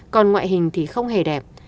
còn ngoại hình thì không hề đẹp